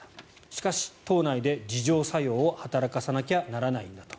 しかし、党内で自浄作用を働かさなきゃならないんだと。